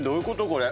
これ。